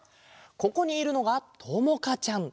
ここにいるのがともかちゃん！